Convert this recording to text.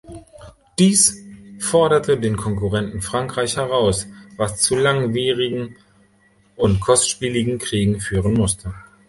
Dies forderte den Konkurrenten Frankreich heraus, was zu langwierigen und kostspieligen Kriegen führen musste.